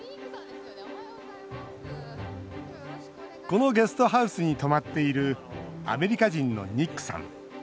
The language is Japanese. このゲストハウスに泊まっているアメリカ人のニックさん。